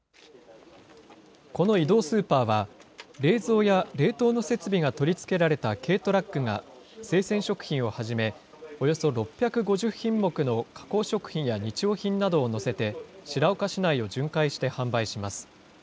この移動スーパーは、冷蔵や冷凍の設備が取り付けられた軽トラックが、生鮮食品をはじめ、およそ６５０品目の加工食品や日用品などを載せて、白岡市内を巡回して販売します。